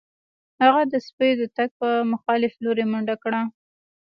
هغه د سپیو د تګ په مخالف لوري منډه کړه